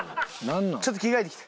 ちょっと着替えてきて。